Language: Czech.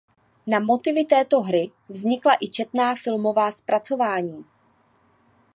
Na motivy této hry vznikla i četná filmová zpracování.